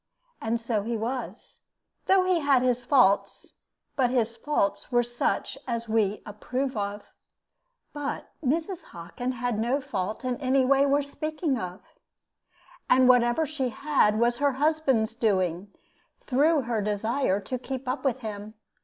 And so he was, though he had his faults; but his faults were such as we approve of. But Mrs. Hockin had no fault in any way worth speaking of. And whatever she had was her husband's doing, through her desire to keep up with him.